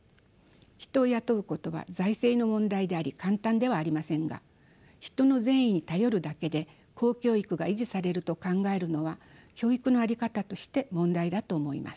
人を雇うことは財政の問題であり簡単ではありませんが人の善意に頼るだけで公教育が維持されると考えるのは教育の在り方として問題だと思います。